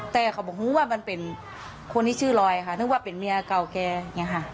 แต่เขาบอกหูว่ามันเป็นคนที่ชื่อรอยค่ะนึกว่าเป็นเมียเก่าแกอย่างนี้ค่ะ